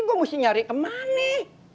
gua mesti nyari kemana